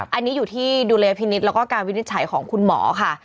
อันนี้อยู่ที่ดุลยพินิษฐ์แล้วก็การวินิจฉัยของคุณหมอค่ะ